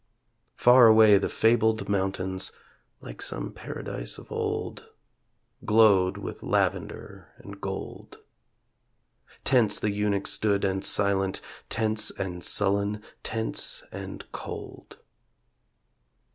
Far away the fabled mountains, (Like some paradise of old) Glowed with lavender and gold. Tense the Eunuch stood and silent Tense and sullen, tense and cold.